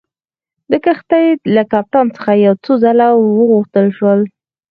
د کښتۍ له کپټان څخه څو ځله وغوښتل شول.